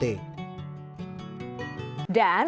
dan untuk pembahasan